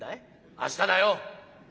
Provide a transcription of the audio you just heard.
「明日だよ」。